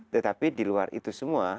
tetapi di luar itu semua